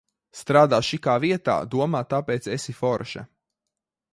Strādā šikā vietā, domā, tāpēc esi forša.